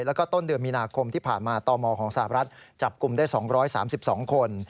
แล้วก็ต้นเดือนมีนาคมที่ผ่านมาตมของสหรัฐจับกลุ่มได้๒๓๒คน